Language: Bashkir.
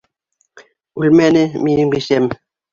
Үлмәне минең бисәм!